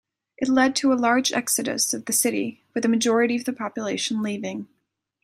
It led to a large exodus of the city, with a majority of the population leaving.